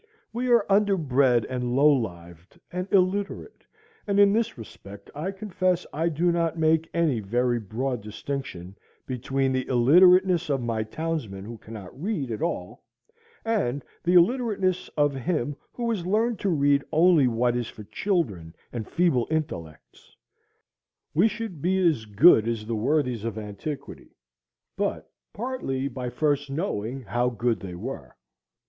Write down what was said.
We are underbred and low lived and illiterate; and in this respect I confess I do not make any very broad distinction between the illiterateness of my townsman who cannot read at all, and the illiterateness of him who has learned to read only what is for children and feeble intellects. We should be as good as the worthies of antiquity, but partly by first knowing how good they were.